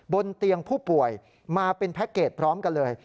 บนเตียงผู้ป่วยมาเป็นแพ็คเกจพร้อมกันเลย